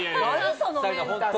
そのメンタル。